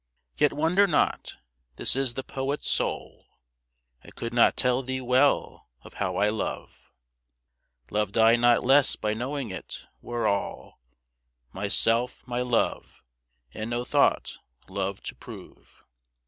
Yet wonder not: this is the poet's soul. I could not tell thee well of how I love, Loved I not less by knowing it, were all My self my love and no thought love to prove.